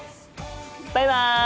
バイバイ！